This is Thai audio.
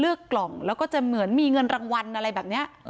กล่องแล้วก็จะเหมือนมีเงินรางวัลอะไรแบบนี้